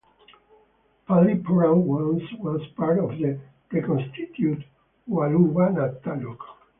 Pallippuram once was part of the "reconstituted" Valluvanad Taluk.